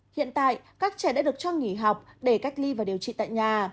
hiện tại các trẻ đã được cho nghỉ học để cách ly và điều trị tại nhà